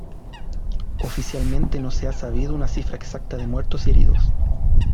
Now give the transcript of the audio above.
Oficialmente no se ha sabido una cifra exacta de muertos y heridos.